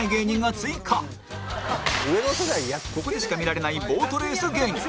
ここでしか見られないボートレース芸人